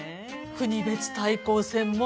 国別対抗戦も。